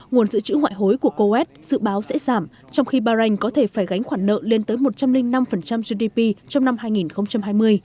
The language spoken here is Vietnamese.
nguồn dự trữ ngoại hối của coes dự báo sẽ giảm trong khi bahrain có thể phải gánh khoản nợ lên tới một trăm linh năm gdp trong năm hai nghìn hai mươi